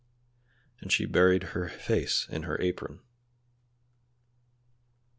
and she buried her face in her apron.